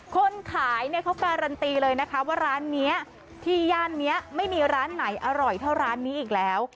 คนขายเนี่ยเขาการันตีเลยนะคะว่าร้านนี้ที่ย่านนี้ไม่มีร้านไหนอร่อยเท่าร้านนี้อีกแล้ว